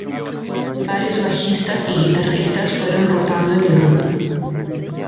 Varios bajistas y guitarristas fueron rotando en el grupo.